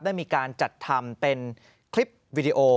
ได้มีการจัดทำเป็นคลิปวิดีโอ